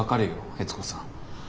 悦子さん